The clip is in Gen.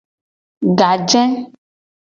Gaje.